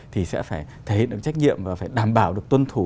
thì sẽ phải thể hiện được trách nhiệm và phải đảm bảo được tuân thủ